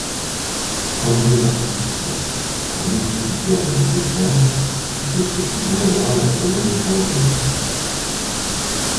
Trente deux artistes en exécutèrent les dessins de ce qui deviendra la colonne Vendôme.